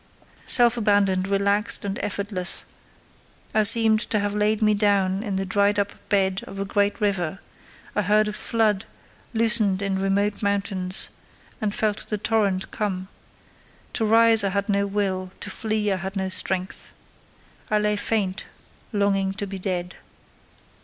Self abandoned, relaxed, and effortless, I seemed to have laid me down in the dried up bed of a great river; I heard a flood loosened in remote mountains, and felt the torrent come: to rise I had no will, to flee I had no strength. I lay faint, longing to be dead.